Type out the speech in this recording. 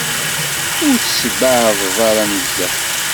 Ur tessbeɛdeḍ ara nezzeh.